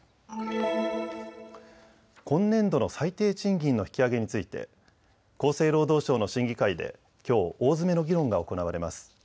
今年度の最低賃金の引き上げについて厚生労働省の審議会できょう、大詰めの議論が行われます。